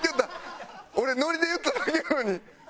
俺ノリで言っただけやのに。